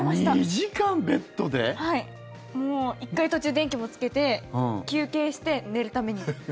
１回途中で電気もつけて休憩して、寝るために。